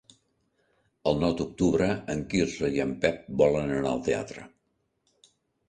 El nou d'octubre en Quirze i en Pep volen anar al teatre.